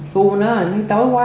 thua bên đó hình như tối quá